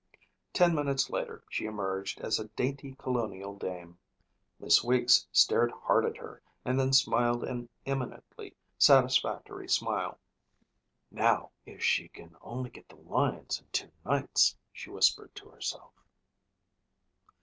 Ten minutes later she emerged as a dainty colonial dame. Miss Weeks stared hard at her and then smiled an eminently satisfactory smile. "Now if she can only get the lines in two nights," she whispered to herself.